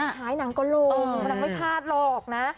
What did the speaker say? ผล์ช้าน้ำก็ลงส่องกูไม่พลาดหรอกนะ